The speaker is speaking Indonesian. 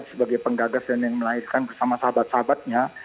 sebagai penggagas dan yang melahirkan bersama sahabat sahabatnya